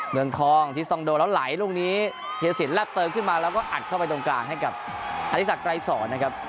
เมืองทองที่ซองโดแล้วไหลลูกนี้เฮียสินแบงขึ้นมาแล้วก็อัดเข้าไปตรงกลางให้กับอธิสักไกรสอนนะครับ